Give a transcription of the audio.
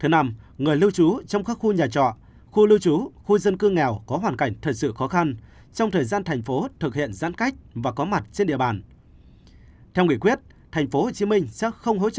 người lưu trú trong các khu nhà trọ khu lưu trú khu dân cư nghèo có hoàn cảnh thật sự khó khăn trong thời gian thành phố thực hiện giãn cách và có mặt trên địa bàn